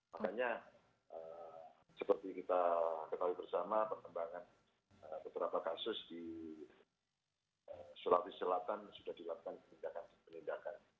makanya seperti kita ketahui bersama perkembangan beberapa kasus di sulawesi selatan sudah dilakukan penindakan